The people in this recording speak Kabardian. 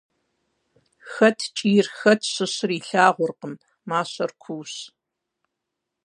Хэт кӀийр, хэт щыщыр - илъагъуркъым, мащэр куущ.